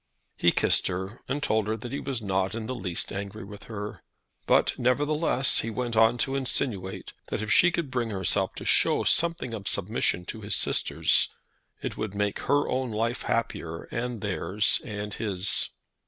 He kissed her, and told her that he was not in the least angry with her; but, nevertheless, he went on to insinuate, that if she could bring herself to show something of submission to his sisters, it would make her own life happier and theirs and his.